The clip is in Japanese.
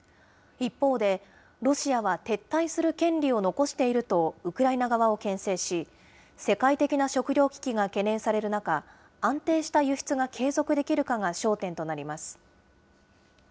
一方で、ロシアは撤退する権利を残しているとウクライナ側をけん制し、世界的な食料危機が懸念される中、安定した輸出が継続できるかが焦点となります。